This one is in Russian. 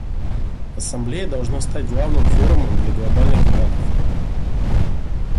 Ассамблея должна стать главным форумом для глобальных дебатов.